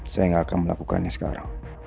saya tidak akan melakukannya sekarang